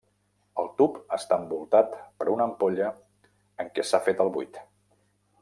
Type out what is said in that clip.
El tub està envoltat per una ampolla en què s'ha fet el buit.